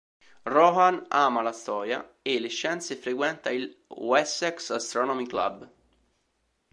Rohan ama la storia e le scienze e frequenta il Wessex Astronomy club.